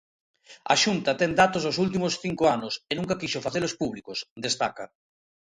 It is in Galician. "A Xunta ten datos dos últimos cinco anos e nunca quixo facelos públicos", destaca.